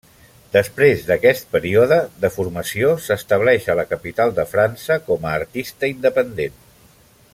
Després d'aquest període de formació, s'estableix a la capital de França com a artista independent.